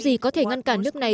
gì có thể ngăn cản nước này